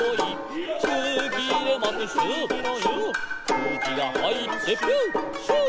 「くうきがはいってピュウピュウ」